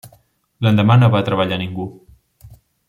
L'endemà no va treballar ningú.